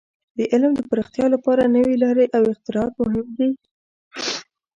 د علم د پراختیا لپاره نوې لارې او اختراعات مهم دي.